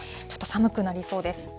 ちょっと寒くなりそうです。